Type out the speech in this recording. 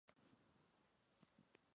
Se encuentra al este del Índico.